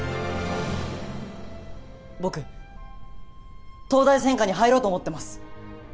僕東大専科に入ろうと思ってます